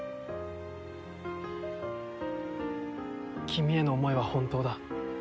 君への想いは本当だ。